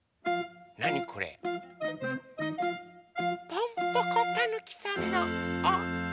ポンポコたぬきさんのお・な・か。